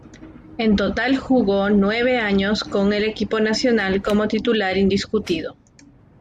En total jugó nueve años con el equipo nacional como titular indiscutido.